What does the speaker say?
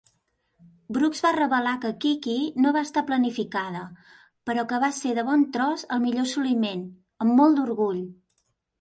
Brooks va revelar que Kiki no va estar planificada, però que va ser "de bon tros el millor assoliment, amb molt d'orgull".